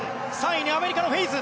３位にアメリカのヘイズ。